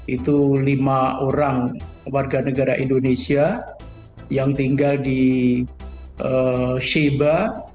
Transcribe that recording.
itu lima orang warga negara indonesia yang tinggal di shiba